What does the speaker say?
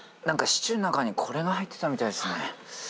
何かシチューの中にこれが入ってたみたいですね。